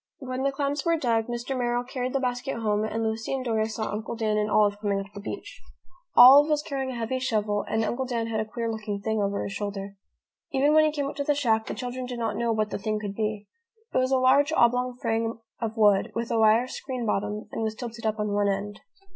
When the clams were dug, Mr. Merrill carried the basket home and Lucy and Dora saw Uncle Dan and Olive coming up the beach. Olive was carrying a heavy shovel and Uncle Dan had a queer looking thing over his shoulder. Even when he came up to the shack the children did not know what the thing could be. It was a large oblong frame of wood, with a wire screen bottom, and was tilted up on one end.